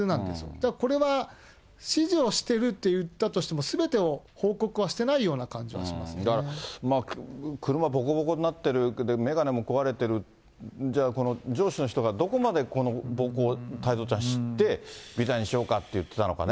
だから、これは指示をしてるっていったとしても、すべてを報告はしてないだから、車ぼこぼこになってる、眼鏡も壊れてる、じゃあ、この上司の人がどこまでこの暴行を太蔵ちゃん、知って、微罪にしようかって言ってたのかね。